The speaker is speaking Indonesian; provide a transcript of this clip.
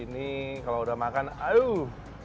ini kalau udah makan aduh